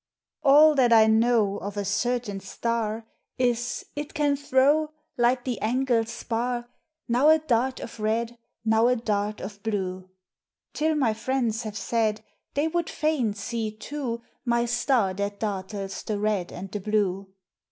All that I know Of a certain star Is, it can throw (Like the angled spar) Now a dart of red, Now a dart of blue; Till my friends have said They would fain see, too, My star that dartles the red and the blue!